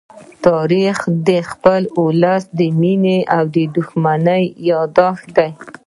تاریخ د خپل ولس د مینې او دښمنۍ يادښت دی.